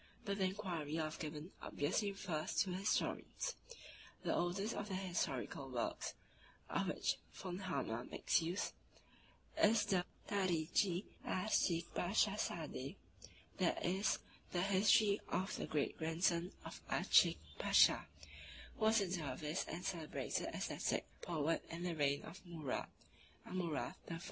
But the inquiry of Gibbon obviously refers to historians. The oldest of their historical works, of which V. Hammer makes use, is the "Tarichi Aaschik Paschasade," i. e. the History of the Great Grandson of Aaschik Pasha, who was a dervis and celebrated ascetic poet in the reign of Murad (Amurath) I.